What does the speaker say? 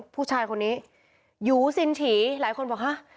ผู้ชายคนนี้หยูซินฉีหลายคนบอกฮะ